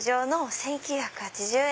１９８０円。